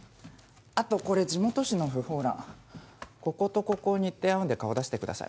後これ地元紙の訃報欄こことここ日程合うんで顔出してください